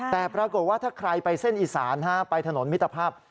แต่ปรากฏว่าถ้าใครไปเส้นอีสานไปถนนมิตรภาพ